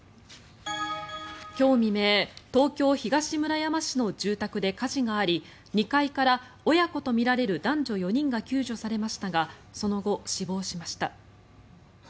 今日未明、東京・東村山市の住宅で火事があり２階から親子とみられる男女４人が救助されましたがその後、死亡しました。